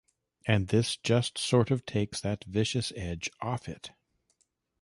And this just sort of takes that vicious edge off it.